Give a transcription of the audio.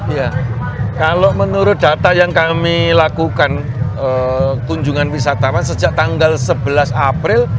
ya kalau menurut data yang kami lakukan kunjungan wisatawan sejak tanggal sebelas april